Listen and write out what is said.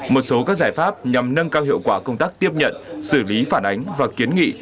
một số các giải pháp nhằm nâng cao hiệu quả công tác tiếp nhận xử lý phản ánh và kiến nghị